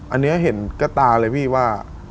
อันนี้เห็นกระตาเลยพี่ว่า